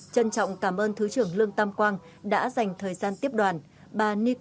trân trọng cảm ơn thứ trưởng lương tam quang đã dành thời gian tiếp đoàn